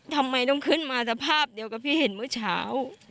ทำไมต้องขึ้นมาสภาพเดียวกับที่เห็นเมื่อเช้า